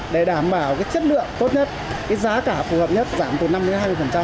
để đảm bảo chất lượng tốt nhất cái giá cả phù hợp nhất giảm từ năm đến hai mươi